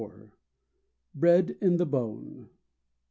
BRED IN THE BONE.